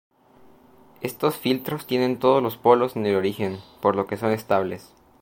Estos filtros tienen todos los polos en el origen, por lo que son estables.